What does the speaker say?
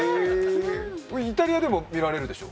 イタリアでも見られるんでしょ？